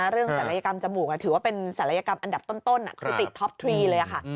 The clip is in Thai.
ศัลยกรรมจมูกถือว่าเป็นศัลยกรรมอันดับต้นคือติดท็อปทรีเลยค่ะ